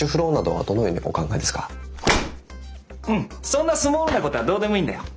そんなスモールなことはどうでもいいんだよ。